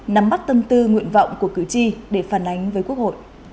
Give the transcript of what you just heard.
nắm bắt tâm tư nguyện vọng của cử tri để phản ánh với quốc hội